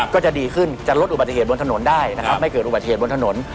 ก็จะดีขึ้นจะลดอุบัติเหตุบนถนนได้นะครับไม่เกิดอุบัติเหตุบนถนน